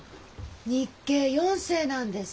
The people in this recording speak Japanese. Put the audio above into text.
日系４世なんですって。